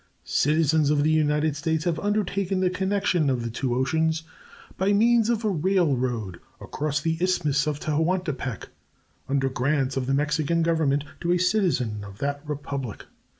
Citizens of the United States have undertaken the connection of the two oceans by means of a railroad across the Isthmus of Tehuantepec, under grants of the Mexican Government to a citizen of that Republic.